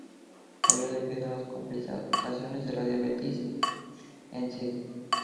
Murió debido a las complicaciones de la diabetes en St.